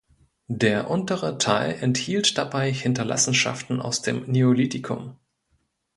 Der untere Teil enthielt dabei Hinterlassenschaften aus dem Neolithikum.